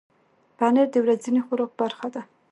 پنېر د ورځني خوراک برخه ده.